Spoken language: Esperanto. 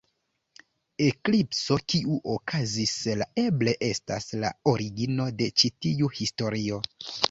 Eklipso kiu okazis la eble estas la origino de ĉi tiu historio.